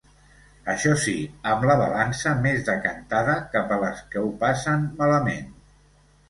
Això sí, amb la balança més decantada cap a les que ho passen malament.